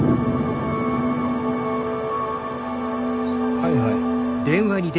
はいはい。